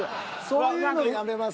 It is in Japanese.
そういうのやめません？